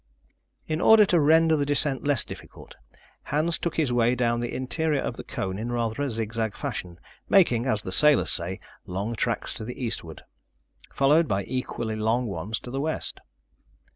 In order to render the descent less difficult, Hans took his way down the interior of the cone in rather a zigzag fashion, making, as the sailors say, long tracks to the eastward, followed by equally long ones to the west.